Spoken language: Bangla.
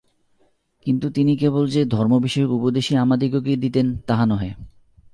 কিন্তু তিনি কেবল যে ধর্মবিষয়ক উপদেশই আমাদিগকে দিতেন, তাহা নহে।